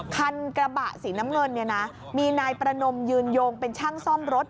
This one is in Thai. คันกระบะสีน้ำเงินเนี่ยนะมีนายประนมยืนโยงเป็นช่างซ่อมรถ